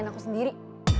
pengen aku sendiri